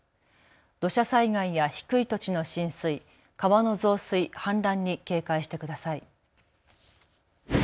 土砂災害や低い土地の浸水、川の増水、氾濫に警戒してください。